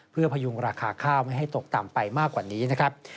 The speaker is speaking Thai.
เพื่อพยุงราคาข้าวไม่ให้ตกต่ำไปมากกว่านี้นะครับ